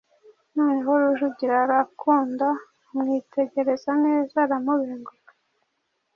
noneho Rujugira arakunda amwitegereza neza; aramubenguka.